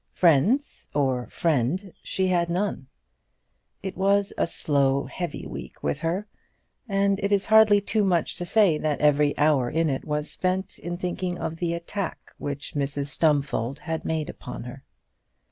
Friends, or friend, she had none. It was a slow, heavy week with her, and it is hardly too much to say that every hour in it was spent in thinking of the attack which Mrs Stumfold had made upon her.